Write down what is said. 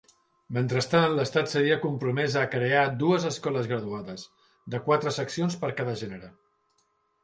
Mentrestant l'Estat s'havia compromès a crear dues escoles graduades, de quatre seccions per cada gènere.